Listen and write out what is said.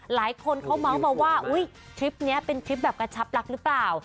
หลายคนเขาเมาส์มาว่าอุ๊ยทริปนี้เป็นทริปแบบกระชับรักหรือเปล่า